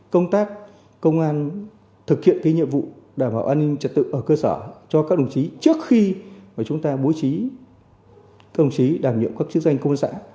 công tác công an thực hiện cái nhiệm vụ đảm bảo an ninh trật tự ở cơ sở cho các đồng chí trước khi mà chúng ta bố trí công chí đảm nhiệm các chức danh công an xã